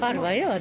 私